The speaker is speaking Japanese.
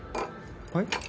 はい？